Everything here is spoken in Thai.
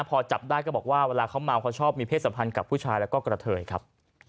พอจับได้ก็บอกว่าเวลาเขาเมาเขาชอบมีเพศสัมพันธ์กับผู้ชายแล้วก็กระเทยครับ